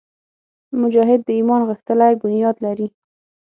مجاهد د ایمان غښتلی بنیاد لري.